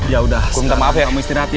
yaudah sekarang kamu istirahat ya